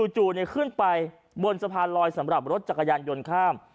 จู่ขึ้นไปบนสะพานลอยสำหรับรถจักรยานยนต์ข้าม